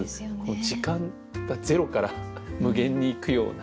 時間がゼロから無限にいくような。